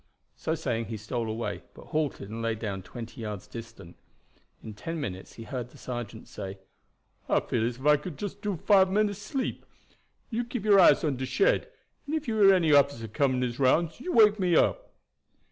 So saying he stole away, but halted and lay down twenty yards distant. In ten minutes he heard the sergeant say: "I feel as if I could do just five minutes' sleep. You keep your eyes on de shed, and ef you hear any officer coming his rounds you wake me up."